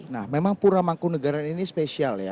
nah memang pura mangku negara ini spesial ya